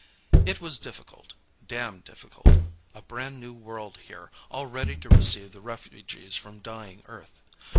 It was difficult. Damned difficult. A brand new world here, all ready to receive the refugees from dying Earth.